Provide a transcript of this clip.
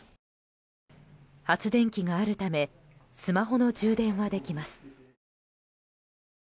発電機があるためスマホの充電はできます。